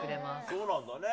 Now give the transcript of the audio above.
そうなんだね。